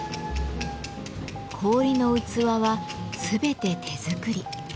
氷の器は全て手作り。